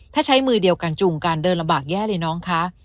ถ้าใช้มือเดียวกันจูงการเดินลำบากแย่เลยน้องคะ